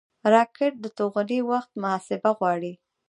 راکټ د توغونې وخت محاسبه غواړي